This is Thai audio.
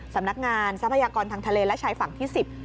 สำนักงานทรัพยากรทางทะเลและชายฝั่งที่๑๐